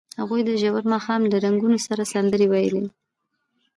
هغوی د ژور ماښام له رنګونو سره سندرې هم ویلې.